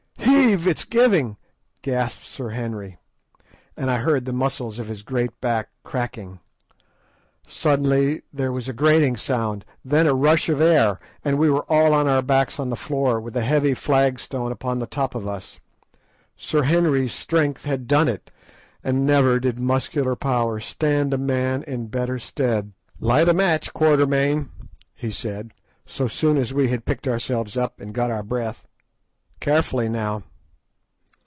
heave! it's giving," gasped Sir Henry; and I heard the muscles of his great back cracking. Suddenly there was a grating sound, then a rush of air, and we were all on our backs on the floor with a heavy flag stone upon the top of us. Sir Henry's strength had done it, and never did muscular power stand a man in better stead. "Light a match, Quatermain," he said, so soon as we had picked ourselves up and got our breath; "carefully, now."